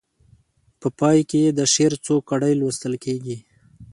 په پای کې یې د شعر څو کړۍ لوستل کیږي.